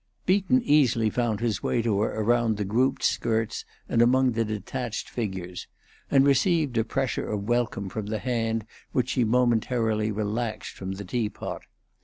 Beaton easily found his way to her around the grouped skirts and among the detached figures, and received a pressure of welcome from the hand which she momentarily relaxed from the tea pot.